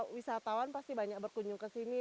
wisatawan pasti banyak berkunjung ke sini